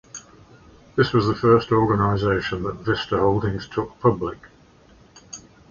This was the first organization that Vista Holdings took public.